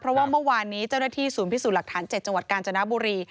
เพราะว่าเมื่อวานนี้เจ้าหน้าที่ศูนย์พิสูจน์หลักฐาน๗จังหวัดกาญจนบุรี